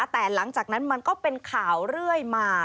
แต่หลังจากนั้นมันก็เป็นข่าวเรื่อยมา